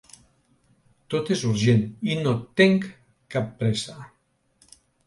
Tot és urgent i no tenc cap pressa.